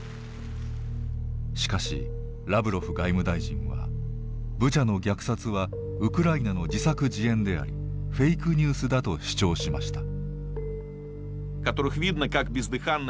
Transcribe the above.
しかしラブロフ外務大臣はブチャの虐殺はウクライナの自作自演でありフェイクニュースだと主張しました。